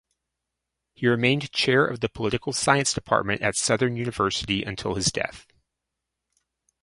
He remained chair of the political science department at Southern University until his death.